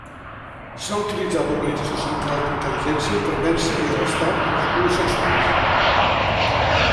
S'ha utilitzat l'Organització Central d'Intel·ligència per vèncer i arrestar els homosexuals.